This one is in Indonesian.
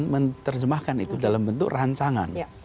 menerjemahkan itu dalam bentuk rancangan